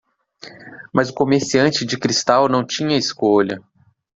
Mas o comerciante de cristal não tinha escolha.